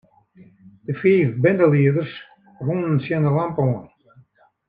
De fiif bindelieders rûnen tsjin 'e lampe oan.